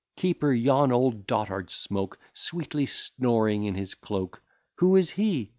Keeper, yon old dotard smoke, Sweetly snoring in his cloak: Who is he?